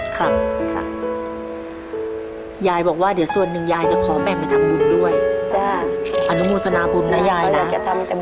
ครับค่ะยายบอกว่าเดี๋ยวส่วนหนึ่งยายจะขอแม่งไปทำบุญด้วยอเรนนี่อาจจะทำแต่บุญ